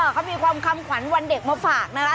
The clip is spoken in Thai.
เขามีความคำขวัญวันเด็กมาฝากนะคะ